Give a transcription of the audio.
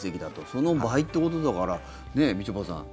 その倍ってことだからみちょぱさん